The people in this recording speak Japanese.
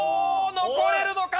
残れるのか？